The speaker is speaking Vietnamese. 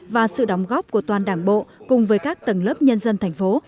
và sự đóng góp của toàn đảng bộ cùng với các tầng lớp nhân dân thành phố